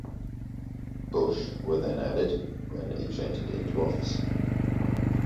Bush were then added when each entered into office.